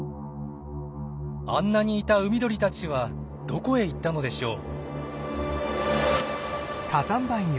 あんなにいた海鳥たちはどこへ行ったのでしょう。